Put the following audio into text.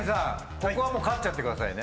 ここはもう勝っちゃってくださいね？